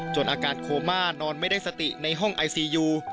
อาการโคม่านอนไม่ได้สติในห้องไอซียู